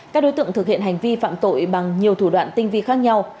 các đối tượng thực hiện hành vi phạm tội bằng nhiều thủ đoạn tinh vi khác nhau